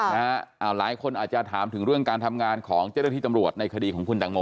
หลายคนอาจจะถามถึงเรื่องการทำงานของเจ้าหน้าที่ตำรวจในคดีของคุณตังโม